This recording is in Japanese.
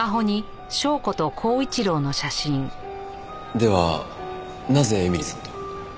ではなぜ絵美里さんと？